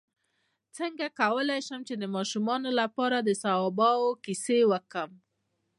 څنګه کولی شم د ماشومانو لپاره د صحابه وو کیسې وکړم